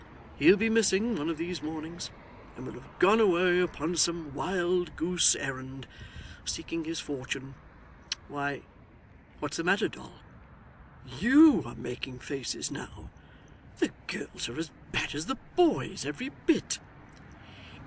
He'll be missing one of these mornings, and will have gone away upon some wild goose errand, seeking his fortune. Why, what's the matter, Doll? YOU are making faces now. The girls are as bad as the boys every bit!